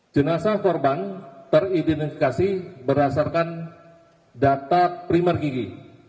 jenazah korban teridentifikasi berdasarkan data primer gigi